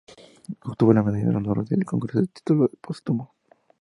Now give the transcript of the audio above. Obtuvo la Medalla de Honor del Congreso a título póstumo.